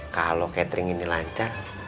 kalau catering ini lancar